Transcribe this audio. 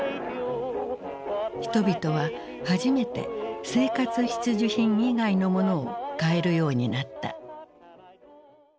人々は初めて生活必需品以外のものを買えるようになった。